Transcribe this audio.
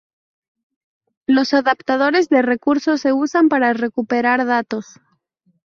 Los adaptadores de recursos se usan para recuperar datos.